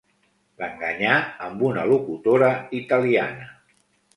L'enganyà amb una locutora italiana.